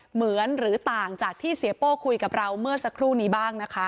เหมือนหรือต่างจากที่เสียโป้คุยกับเราเมื่อสักครู่นี้บ้างนะคะ